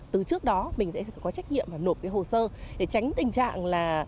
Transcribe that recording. từ trước đó mình sẽ có trách nhiệm và nộp cái hồ sơ để tránh tình trạng là